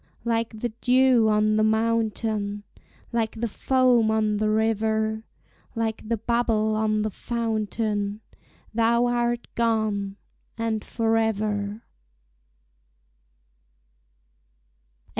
Like the dew on the mountain, Like the foam on the river, Like the bubble on the fountain, Thou art gone, and forever!